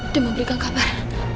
dan memberikan kabar